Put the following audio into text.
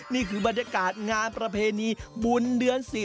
นี่คือบรรยากาศงานประเพณีบุญเดือน๑๐